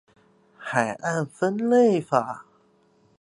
海岸分類法